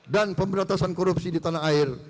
dan pemberantasan korupsi di tanah air